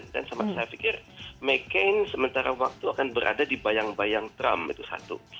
dan saya pikir mccain sementara waktu akan berada di bayang bayang trump itu satu